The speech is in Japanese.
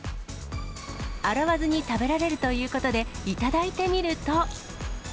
洗わずに食べられるということで、頂いてみると。